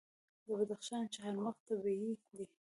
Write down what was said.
د بدخشان چهارمغز طبیعي دي.